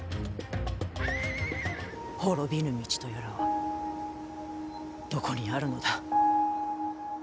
滅びぬ道とやらはどこにあるのだ。